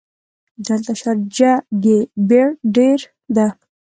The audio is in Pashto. دلته شارجه ګې بیړ ډېر ده.